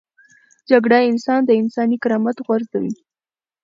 جګړه انسان له انساني کرامت غورځوي